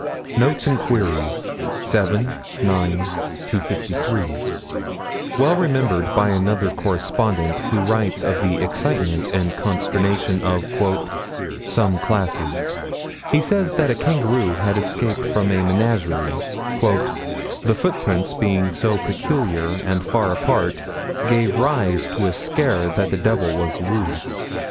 Notes and Queries, 7 9 253: Well remembered by another correspondent, who writes of the excitement and consternation of "some classes." He says that a kangaroo had escaped from a menagerie "the footprints being so peculiar and far apart gave rise to a scare that the devil was loose."